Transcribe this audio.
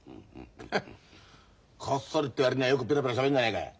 へっこっそりって割にはよくペラペラしゃべんじゃねえかい。